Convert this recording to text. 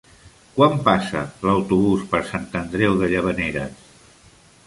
Quan passa l'autobús per Sant Andreu de Llavaneres?